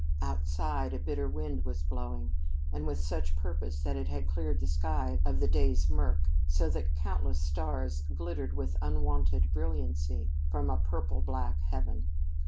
Outside a bitter wind was blowing, and with such purpose that it had cleared the sky of the day's murk so that countless stars glittered with unwonted brilliancy from a purple black heaven.